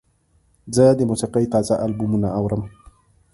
زه د موسیقۍ تازه البومونه اورم.